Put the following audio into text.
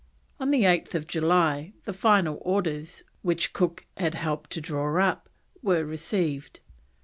On 8th July the final orders, which Cook had helped to draw up, were received.